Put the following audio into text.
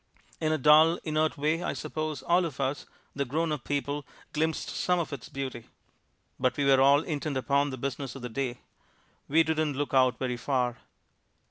In a dull, inert way I suppose all of us, the grownup people, glimpsed some of its beauty. But we were all intent upon the business of the day we didn't look out very far